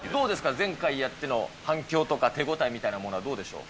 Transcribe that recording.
前回やっての反響とか、手応えみたいなものはどうでしょうか？